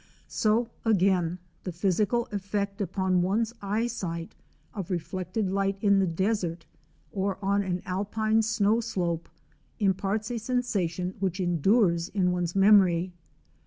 So, again, the physical effect upon one's eyesight of reflected light in the desert, or on an Alpine snow slope, imparts a sensation which endures in one's memory.